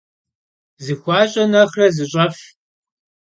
Zıxuaş'e nexhre zış'ef.